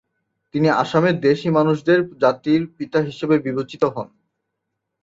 তিনি আসামের "দেশি" মানুষদের জাতির পিতা হিসাবে বিবেচিত হন।